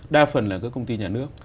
đa phần là các công ty nhà nước